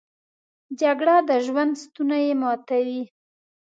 جګړه د ژوند ستونی ماتوي